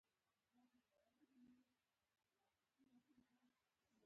د رییس صاحب احمد جان پوپل سره مو ولیدل.